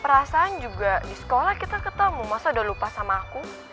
perasaan juga di sekolah kita ketemu masa udah lupa sama aku